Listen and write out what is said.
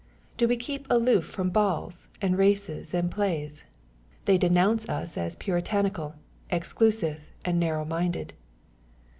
— Do we keep aloof from balls, and races, and plays ? They denounce us as puritanical, exclusive and narrow minded.